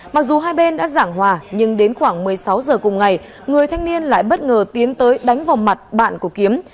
mặc dù hai bên đã giảng hòa nhưng đến khoảng một mươi sáu giờ cùng ngày người thanh niên lại bất ngờ tiến tới đánh vào mặt bạn của kiếm